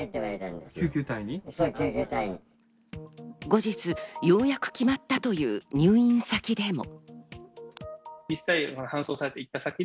後日、ようやく決まったという入院先でも。